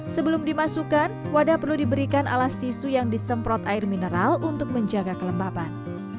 sebelum dimasukkan wadah perlu diberikan alas tisu yang disemprot air mineral untuk menjaga kelembaban